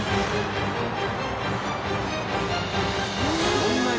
そんなに？